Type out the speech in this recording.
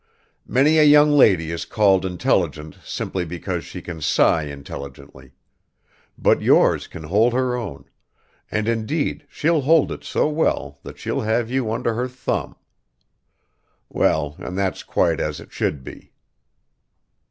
Many a young lady is called intelligent simply because she can sigh intelligently; but yours can hold her own, and indeed she'll hold it so well that she'll have you under her thumb well, and that's quite as it should be."